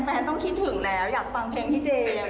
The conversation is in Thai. ต้องคิดถึงแล้วอยากฟังเพลงพี่เจมส์